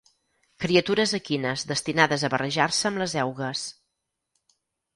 Criatures equines destinades a barrejar-se amb les eugues.